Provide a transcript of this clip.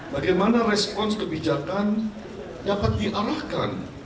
bagaimana respons kebijakan dapat diarahkan